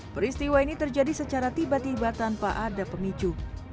peristiwa ini terjadi secara tiba tiba tanpa ada pemicu